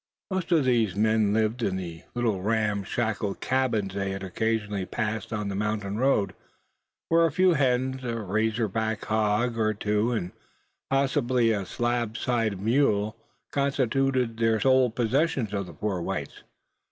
Most of these men lived in the little ramshackle cabins they had occasionally passed on the mountain road; where a few hens, a razor back hog or two, and possibly a slab sided mule, constituted the sole possessions of the poor whites.